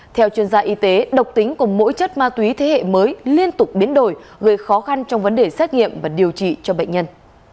theo chuyên gia y tế độc tính cùng mỗi chất ma túy thế hệ mới liên tục biến đổi gây khó khăn trong vấn đề xét nghiệm và điều trị cho bệnh nhân